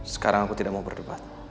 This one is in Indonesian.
sekarang aku tidak mau berdebat